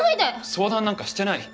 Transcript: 相談なんかしてない。